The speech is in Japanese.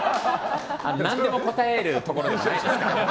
何でも答えるところではないですから。